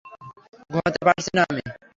ঘুমাতে পারছি না আমি।